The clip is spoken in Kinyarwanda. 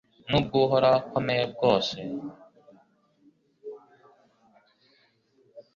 N’ubwo Uhoraho akomeye bwose